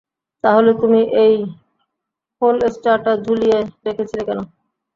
তাহলে তুমি এই হোলস্টারটা ঝুলিয়ে রেখেছিলে কেন?